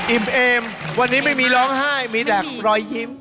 เอมวันนี้ไม่มีร้องไห้มีแต่รอยยิ้ม